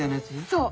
そう。